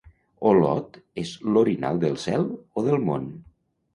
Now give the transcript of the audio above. Olot és l'orinal del cel o del món.